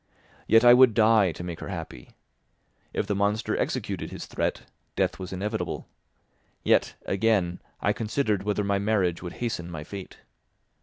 Yet I would die to make her happy. If the monster executed his threat, death was inevitable; yet, again, I considered whether my marriage would hasten my fate.